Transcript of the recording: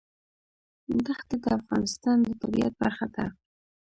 دښتې د افغانستان د طبیعت برخه ده.